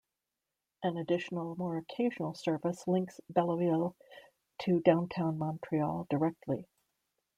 An additional, more occasional service links Beloeil to downtown Montreal directly.